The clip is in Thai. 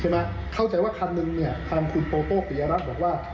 ใช่ไหมเข้าใจว่าคันนึงเนี่ยทางคุณโป้โต้ปริยรักษ์บอกว่า